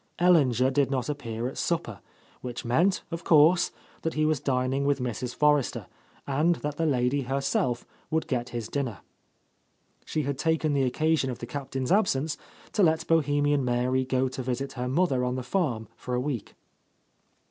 Ellinger did not ap pear at supper, which meant, of course, that he was dining with Mrs. Forrester, and that the lady herself would get his dinner. She had taken the occasion of the Captain's absence to let Bohemian Mary go to visit her mother on the farm for a week.